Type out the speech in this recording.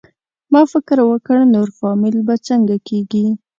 ما فکر وکړ نور فامیل به څنګه کېږي؟